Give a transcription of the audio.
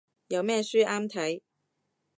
有咩書啱睇